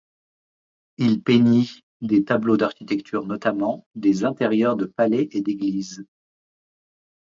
Il peignit des tableaux d'architectures, notamment des intérieurs de palais et d'églises.